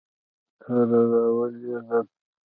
توره را ولېږل.